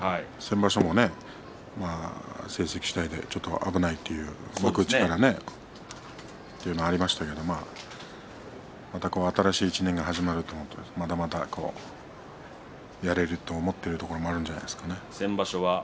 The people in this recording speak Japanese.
先場所も成績次第で危ないという幕内からというのがありましたがまた新しい１年が始まるとまたやれると思っているところもあるんじゃないですか？